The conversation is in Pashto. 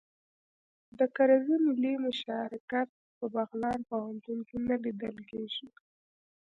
د کرزي ملي مشارکت په بغلان پوهنتون کې نه لیدل کیږي